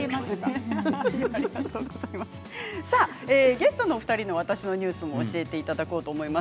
ゲストのお二人の「わたしのニュース」も教えていただこうと思います。